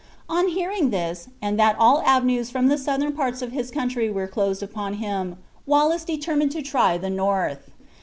On hearing this, and that all avenues from the southern parts of his country were closed upon him, Wallace determined to try the north.